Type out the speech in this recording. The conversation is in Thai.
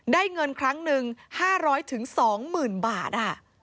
เงินครั้งหนึ่ง๕๐๐๒๐๐๐บาท